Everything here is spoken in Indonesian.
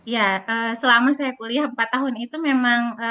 ya selama saya kuliah empat tahun itu memang